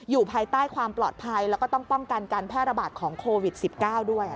ภายใต้ความปลอดภัยแล้วก็ต้องป้องกันการแพร่ระบาดของโควิด๑๙ด้วย